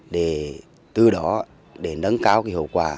để từ đó để nâng cao cái hậu quả